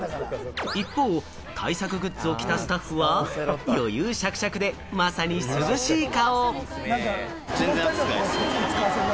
一方、対策グッズを着たスタッフは、余裕シャクシャクでまさに涼しい顔。